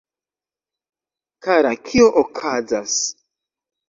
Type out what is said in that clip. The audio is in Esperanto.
Kara, kio okazas?